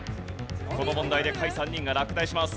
この問題で下位３人が落第します。